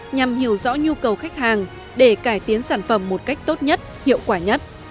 nhằm hiểu rõ nhu cầu khách hàng để cải tiến sản phẩm một cách tốt nhất hiệu quả nhất